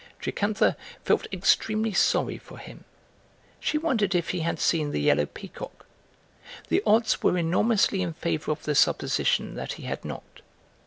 Jocantha felt extremely sorry for him. She wondered if he had seen the "Yellow Peacock"; the odds were enormously in favour of the supposition that he had not.